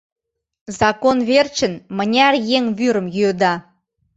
Закон верчын мыняр еҥ вӱрым йӱыда!